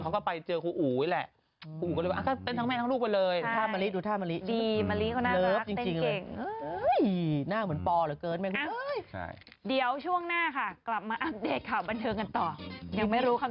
เขาไปตะห้าทุ่ม